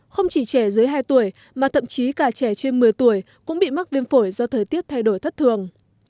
không chỉ trẻ dưới hai tuổi mà thậm chí cả trẻ trên một mươi tuổi cũng bị mắc viêm phổi do thời tiết thay đổi thất thường